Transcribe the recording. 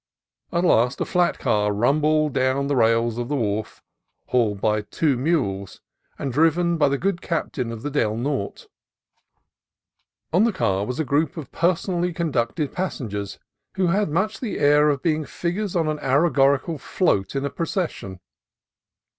At last a flat car rumbled down the rails of the wharf, hauled by two mules, and driven by the good captain of the Del Norte. On the car was a group of personally conducted pas sengers, who had much the air of being figures on an allegorical float in a procession.